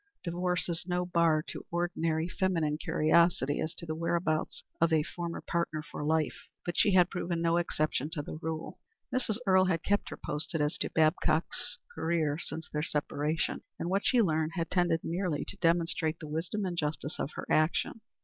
Divorce is no bar to ordinary feminine curiosity as to the whereabouts of a former partner for life, and she had proved no exception to the rule. Mrs. Earle had kept her posted as to Babcock's career since their separation, and what she learned had tended merely to demonstrate the wisdom and justice of her action.